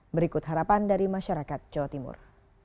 berikut harapan dari masyarakat jawa timur